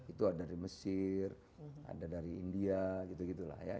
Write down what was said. itu ada dari mesir ada dari india gitu gitu lah ya